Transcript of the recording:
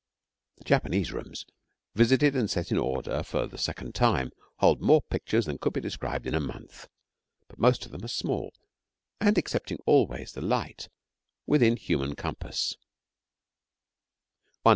The Japanese rooms, visited and set in order for the second time, hold more pictures than could be described in a month; but most of them are small and, excepting always the light, within human compass.